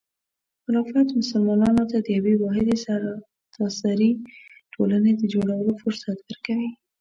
خلافت مسلمانانو ته د یوې واحدې سرتاسري ټولنې د جوړولو فرصت ورکوي.